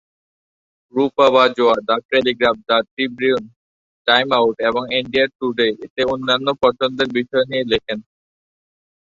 Rupa Bajwa" the Telegraph", "the Tribune", "Time Out "এবং "India Today "তে অন্যান্য অনেক পছন্দের বিষয় নিয়ে লেখেন।